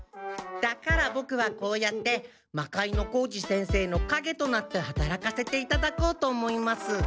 だからボクはこうやって魔界之小路先生のかげとなって働かせていただこうと思います。